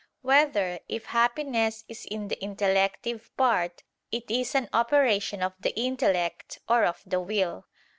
4] Whether, If Happiness Is in the Intellective Part, It Is an Operation of the Intellect or of the Will?